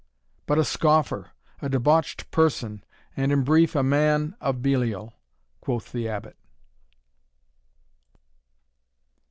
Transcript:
"But a scoffer, a debauched person, and, in brief, a man of Belial," quoth the Abbot.